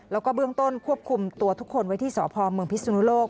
แล้วก็เบื้องต้นควบคุมตัวทุกคนไว้ที่สพเมืองพิศนุโลก